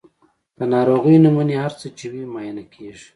د ناروغۍ نمونې هر څه چې وي معاینه کیږي.